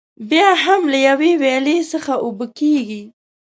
بیا هم له یوې ویالې څخه اوبه کېږي.